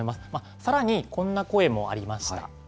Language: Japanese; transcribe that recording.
さらに、こんな声もありました。